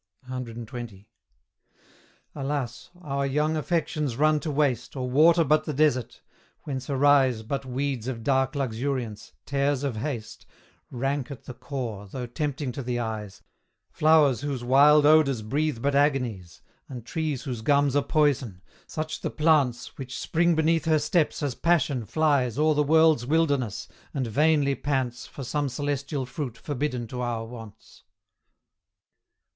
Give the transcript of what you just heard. CXX. Alas! our young affections run to waste, Or water but the desert: whence arise But weeds of dark luxuriance, tares of haste, Rank at the core, though tempting to the eyes, Flowers whose wild odours breathe but agonies, And trees whose gums are poison; such the plants Which spring beneath her steps as Passion flies O'er the world's wilderness, and vainly pants For some celestial fruit forbidden to our wants.